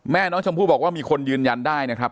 แม่น้องชมพู่บอกว่ามีคนยืนยันได้นะครับ